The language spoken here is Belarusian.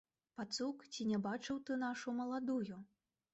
Пацук, ці не бачыў ты нашу маладую?